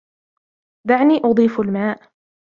دعني أضيف الماء.